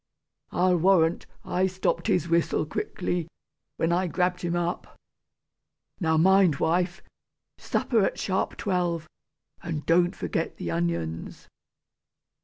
I'll warrant, I stopped his whistle quickly, when I grabbed him up! Now mind, wife, supper at sharp twelve, and don't forget the onions!"